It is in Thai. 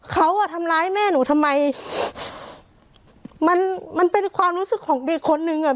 เขาอ่ะทำร้ายแม่หนูทำไมมันมันเป็นความรู้สึกของเด็กคนนึงอ่ะ